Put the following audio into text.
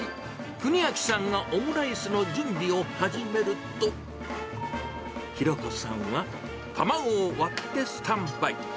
邦昭さんがオムライスの準備を始めると、博子さんは卵を割ってスタンバイ。